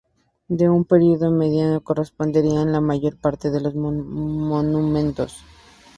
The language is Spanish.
De un periodo medio corresponderían la mayor pare de los monumentos.